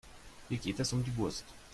Hier geht es um die Wurst.